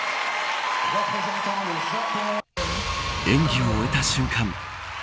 演技を終えた瞬間